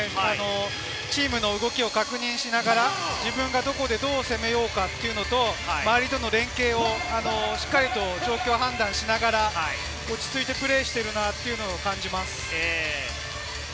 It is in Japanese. チームの動きを確認しながら、自分がどこでどう攻めようかというのと、周りとの連携をしっかりと状況判断をしながら、落ち着いてプレーしているなと感じます。